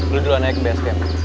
lu duluan naik ke bskm